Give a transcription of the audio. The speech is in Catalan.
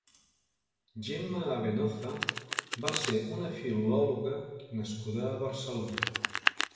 Gemma Avenoza va ser una filòloga nascuda a Barcelona.